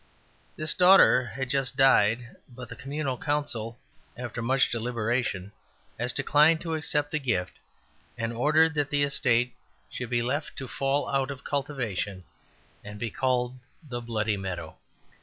This daughter has just died, but the Communal Council, after much deliberation, has declined to accept the gift, and ordered that the estate should be left to fall out of cultivation, and be called the 'Bloody Meadow.'"